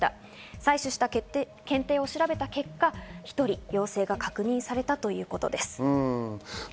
採取した検体を調べた結果、１人陽性が確認されたということです。